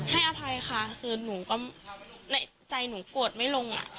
ให้อภัยค่ะในใจหนูกลัวไม่ลง